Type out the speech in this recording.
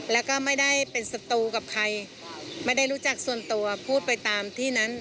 แล้วก็ไม่ได้เป็นศัตรูกับใครไม่ได้รู้จักส่วนตัวพูดไปตามที่นั้น